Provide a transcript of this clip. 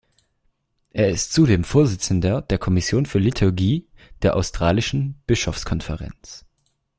Er ist zudem Vorsitzender der Kommission für Liturgie der australischen Bischofskonferenz.